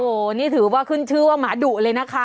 โอ้โหนี่ถือว่าขึ้นชื่อว่าหมาดุเลยนะคะ